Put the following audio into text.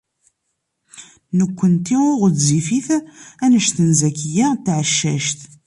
Nekkenti ur ɣezzifit anect n Zakiya n Tɛeccact.